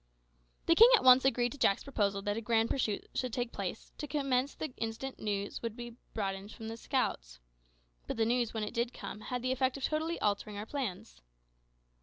The king at once agreed to Jack's proposal that a grand pursuit should take place, to commence the instant news should be brought in by the scouts. But the news, when it did come, had the effect of totally altering our plans.